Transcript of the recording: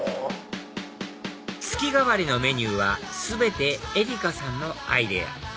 月替わりのメニューは全て英理香さんのアイデア